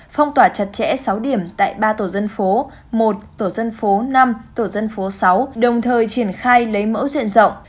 phong tỏa chặt chẽ sáu điểm tại ba tổ dân phố một tổ dân phố năm tổ dân phố sáu đồng thời triển khai lấy mẫu diện rộng